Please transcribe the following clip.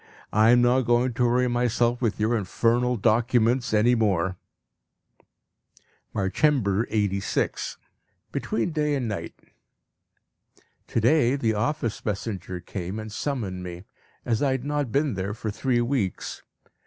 I am not going to worry myself with your infernal documents any more. Marchember 86. Between day and night. To day the office messenger came and summoned me, as I had not been there for three weeks.